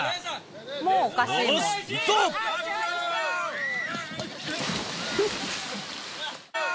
もうおかしいもん。